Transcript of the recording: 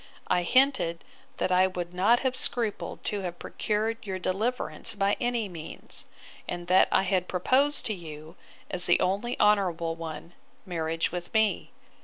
I hinted, that I would not have scrupled to have procured your deliverance by any means; and that I had proposed to you, as the only honourable one, marriage with me.